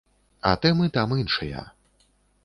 А тэмы там іншыя.